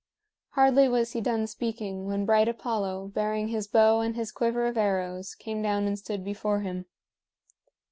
Hardly was he done speaking when bright Apollo, bearing his bow and his quiver of arrows, came down and stood before him.